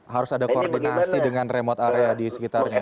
harus ada koordinasi dengan remote area di sekitarnya